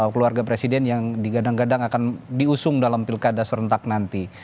keluarga presiden yang digadang gadang akan diusung dalam pilkada serentak nanti